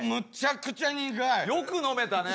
よく飲めたね。